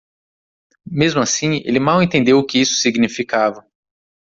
Mesmo assim, ele mal entendeu o que isso significava.